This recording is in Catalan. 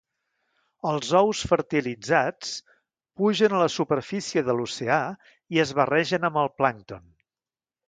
Els ous fertilitzats pugen a la superfície de l'oceà, i es barregen amb el plàncton.